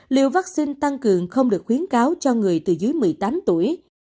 liều vaccine tăng cường không được khuyến cáo cho người từ dưới một mươi tám tuổi